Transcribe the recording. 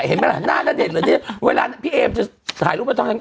เห็นมั้ยละน่ะแดทละแบนพี่เอจะถ่ายรูปอะไรของแล้ว